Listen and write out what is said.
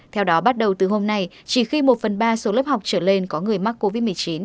theo đó bắt đầu từ hôm nay chỉ khi một phần ba số lớp học trở lên có người mắc covid một mươi chín